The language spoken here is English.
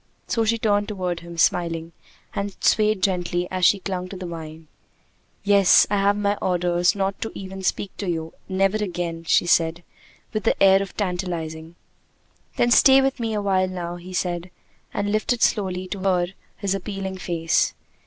So she turned toward him smiling, and swayed gently as she clung to the vine. "Yes; I have my orders not even to speak to you! Never again!" she said, with the air of tantalizing. "Then stay with me a while now," he said, and lifted slowly to her his appealing face.